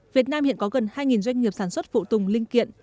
việt nam hiện có gần hai doanh nghiệp sản xuất phụ tùng linh kiện